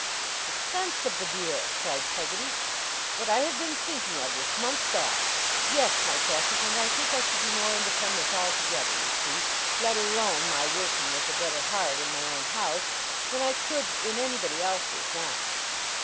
'The sense of the dear!' cried Peggotty. 'What I have been thinking of, this month back! Yes, my precious; and I think I should be more independent altogether, you see; let alone my working with a better heart in my own house, than I could in anybody else's now.